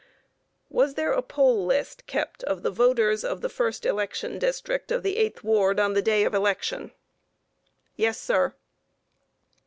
Q. Was there a poll list kept of the voters of the first election district of the 8th ward on the day of election? A. Yes, sir.